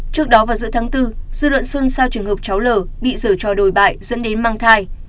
trước đó vào giữa tháng bốn dư luận xuân sau trường hợp cháu l bị dở trò đồi bại dẫn đến mang thai